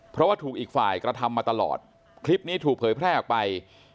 เพราะว่าถูกอีกฝ่ายกระทำมาตลอดคลิปนี้ถูกเผยแพร่ออกไป